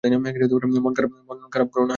মন খারাপ কোরো না, হানি।